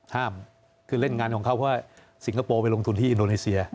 ห้ามคือเล่นงานของเขาเพราะว่าสิงคโปร์ไปลงทุนที่อินโดนีเซีย